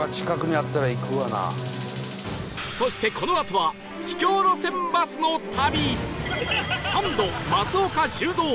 そしてこのあとは秘境路線バスの旅